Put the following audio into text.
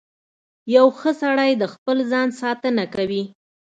• یو ښه سړی د خپل ځان ساتنه کوي.